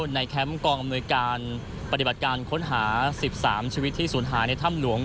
แคมป์กองอำนวยการปฏิบัติการค้นหา๑๓ชีวิตที่สูญหายในถ้ำหลวง